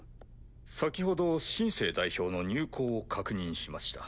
先ほど「シン・セー」代表の入港を確認しました。